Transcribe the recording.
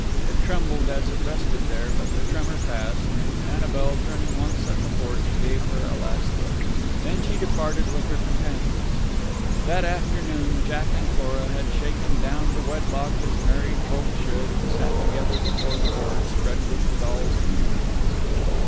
It trembled as it rested there, but the tremor passed, and Annabel, turning once at the porch, gave her a last look. Then she departed with her companions. That afternoon, Jack and Flora had shaken down to wedlock as married folk should, and sat together before the board spread with the dolls' tea things.